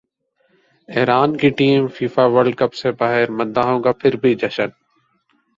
ایران کی team FIFA World cup سے باہرمداحوں کا پھر بھی جشن